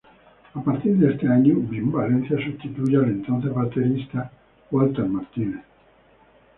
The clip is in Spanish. A partir de este año Bin Valencia sustituye al entonces baterista Walter Martínez.